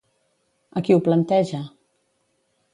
A qui ho planteja?